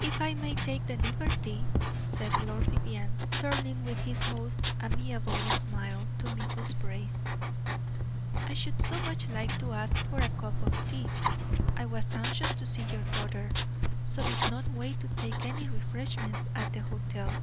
"If I may take the liberty," said Lord Vivianne, turning with his most amiable smile to Mrs. Brace, "I should so much like to ask for a cup of tea. I was anxious to see your daughter, so did not wait to take any refreshments at the hotel.